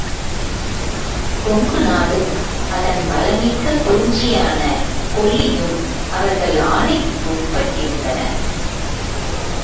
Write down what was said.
கொங்குநாடும் அதன் வளமிக்க குறிஞ்சியான கொல்லியும் அவர்கள் ஆணைக்குட்பட்டிருந்தன.